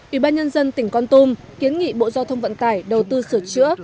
ủy ban nhân dân tỉnh con tum kiến nghị bộ giao thông vận tải đầu tư sửa chữa